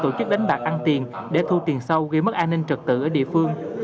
tổ chức đánh bạc ăn tiền để thu tiền sâu gây mất an ninh trật tự ở địa phương